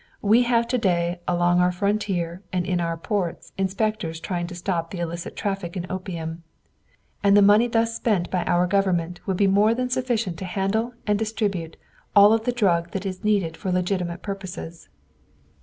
We have to day along our frontier and in our ports inspectors trying to stop the illicit traffic in opium, and the money thus spent by our Government would be more than sufficient to handle and distribute all of the drug that is needed for legitimate purposes.